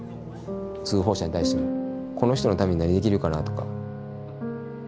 通報者に対してもこの人のために何できるかなとか。